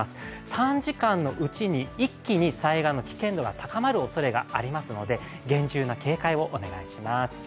短時間のうちに一気に災害の危険度が高まるおそれがありますので厳重な警戒をお願いします。